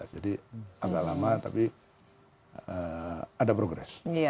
jadi agak lama tapi ada progres